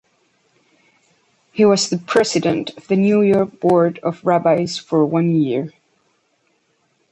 He was the president of the New York Board of Rabbis for one year.